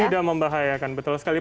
tidak membahayakan betul sekali